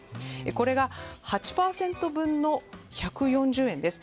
これが８％分の１４０円です。